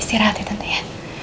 istirahat ya tante ya